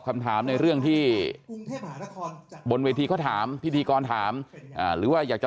คำถามในเรื่องที่บนเวทีเขาถามพิธีกรถามหรือว่าอยากจะ